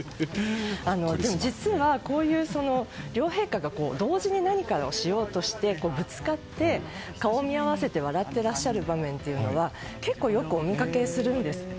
でも実は、こういう両陛下が同時に何かをしようとしてぶつかって顔を見合わせて笑ってらっしゃる場面は結構、よくお見かけするんです。